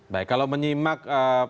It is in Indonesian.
baik kalau menyimak